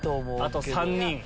あと３人。